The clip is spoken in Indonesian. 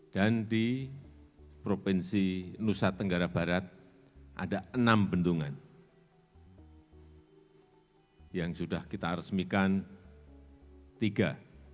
dan di provinsi nusa tenggara barat ada enam bentungan yang sudah kita resmikan tiga